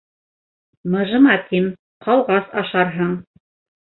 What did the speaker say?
— Мыжыма тим, ҡалғас ашарһың.